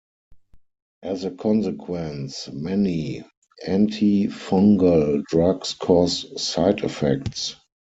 As a consequence, many antifungal drugs cause side-effects.